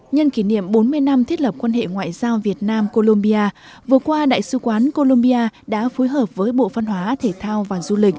nhân kỷ niệm bốn mươi năm thiết lập quan hệ ngoại giao việt nam colombia vừa qua đại sứ quán colombia đã phối hợp với bộ văn hóa thể thao và du lịch